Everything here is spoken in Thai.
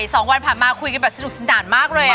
สองวันผ่านมาคุยกันแบบสนุกสนานมากเลย